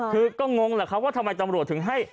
คือก็งงแหละครับว่าทำไมตำรวจถึงให้